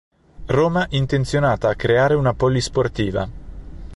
Roma intenzionata a creare una polisportiva.